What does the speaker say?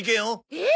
えっ！